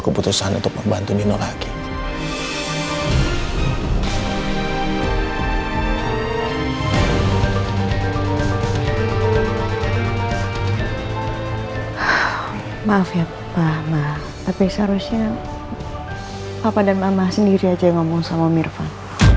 tapi seharusnya papa dan mama sendiri aja yang ngomong sama om irfan